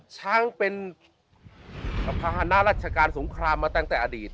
ช้างเป็นภาษณะราชการสงครามมาตั้งแต่อดีต